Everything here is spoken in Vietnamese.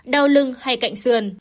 đau lưng hay cạnh xườn